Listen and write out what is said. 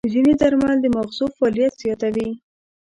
ځینې درمل د ماغزو فعالیت زیاتوي.